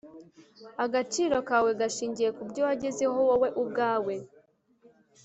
agaciro kawe gashingiye ku byo wagezeho wowe ubwawe